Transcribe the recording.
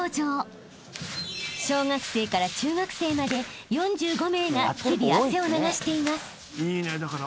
［小学生から中学生まで４５名が日々汗を流しています］